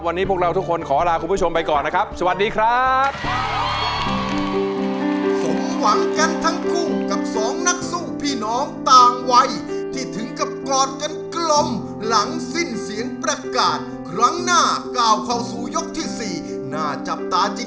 วันนี้พวกเราทุกคนขอลาคุณผู้ชมไปก่อนนะครับ